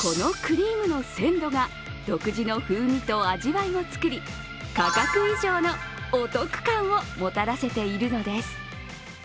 このクリームの鮮度が独自の風味と味わいを作り価格以上のお得感をもたらせているのです。